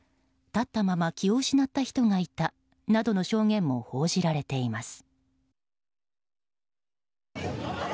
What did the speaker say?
立ったまま気を失った人がいたなどの証言も報じられています。